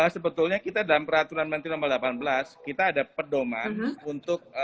sebetulnya kita dalam peraturan menteri no delapan belas kita ada perdoman untuk angkutan